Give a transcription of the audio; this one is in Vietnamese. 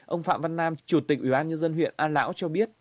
ông phạm văn nam chủ tịch ubnd huyện an lão cho biết